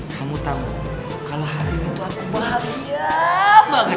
kamu tau kalo hari ini tuh aku bahagia banget